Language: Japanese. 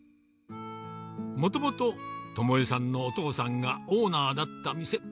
もともと、知枝さんのお父さんがオーナーだった店。